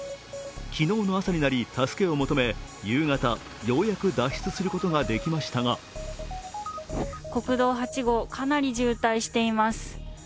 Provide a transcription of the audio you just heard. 昨日の朝になり助けを求め夕方、ようやく脱出することができましたが国道８号、かなり渋滞しています。